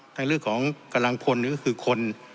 ทั้งเรื่องของกำลังคนก็คือคน